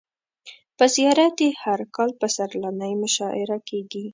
په زیارت یې هر کال پسرلنۍ مشاعر کیږي.